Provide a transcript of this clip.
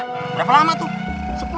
berapa lama tuh